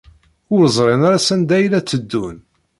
Ur ẓrin ara sanda ay la tteddun.